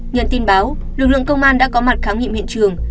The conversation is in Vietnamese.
nhận tin báo lực lượng công an đã có mặt khám nghiệm hiện trường